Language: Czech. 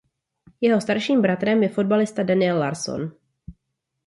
Jeho starším bratrem je fotbalista Daniel Larsson.